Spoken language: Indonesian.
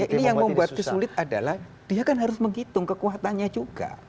ini yang membuat kesulitan adalah dia kan harus menghitung kekuatannya juga